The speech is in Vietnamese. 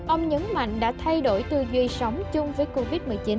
ông nhấn mạnh đã thay đổi tư duy sống chung với covid một mươi chín